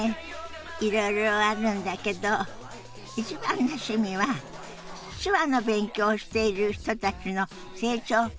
いろいろあるんだけど一番の趣味は手話の勉強をしている人たちの成長を見守ることかしら。